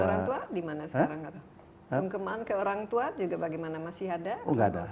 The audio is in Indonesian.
orang tua di mana sekarang songkeman ke orang tua juga bagaimana masih ada